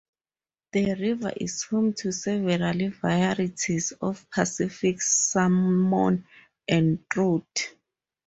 The river is home to several varieties of Pacific salmon and trout.